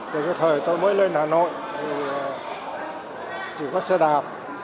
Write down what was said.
từ cái thời tôi mới lên hà nội thì chỉ có xe đạp